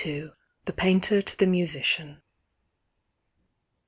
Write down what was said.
I30 ) THE PAINTER TO THE MUSICIAN.